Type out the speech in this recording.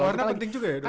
warna penting juga ya dok